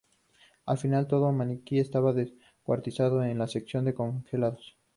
Al final de todo el maniquí está descuartizado en la sección de congelados.